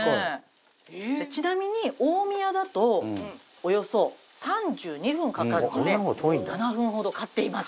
ちなみに大宮だとおよそ３２分かかるので７分ほど勝っています。